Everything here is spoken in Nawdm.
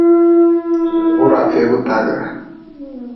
Wuraa feegu taagre.